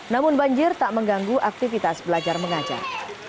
namun banjir tak mengganggu aktivitas belajar mengajar